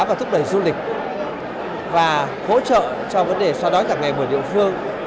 và thúc đẩy du lịch và hỗ trợ cho vấn đề so đoán tặng ngày mùa địa phương